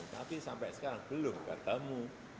tapi sampai sekarang belum ketemu